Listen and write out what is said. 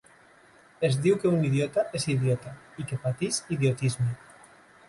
Es diu que un idiota és idiota i que pateix idiotisme.